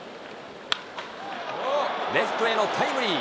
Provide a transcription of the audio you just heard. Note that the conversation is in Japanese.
レフトへのタイムリー。